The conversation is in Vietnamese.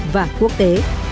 và quốc tế